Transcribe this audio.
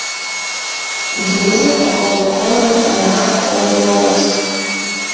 Bwiza agomba kuba hano umunota uwariwo wose .